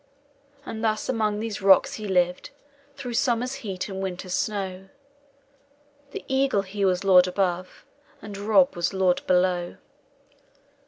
And thus among these rocks he lived, Through summer's heat and winter's snow The eagle, he was lord above, And Rob was lord below.